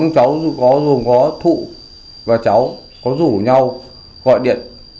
nhóm cháu có dù có thụ và cháu có rủ nhau gọi điện